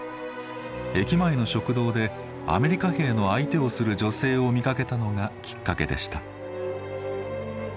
駅前の食堂でアメリカ兵の相手をする女性を見かけたのがきっかけでした。